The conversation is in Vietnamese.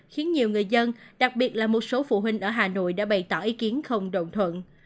khiến nhiều người dân đặc biệt là một số phụ huynh ở hà nội đã bày tỏ ý kiến không đồng thuận